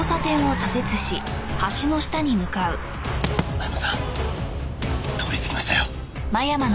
間山さん通り過ぎましたよ。